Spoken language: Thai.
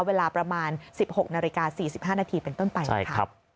เวลาประมาณ๑๖นาฬิกา๔๕นาทีเป็นต้นไปนะคะ